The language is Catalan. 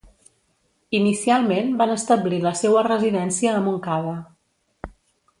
Inicialment van establir la seua residència a Montcada.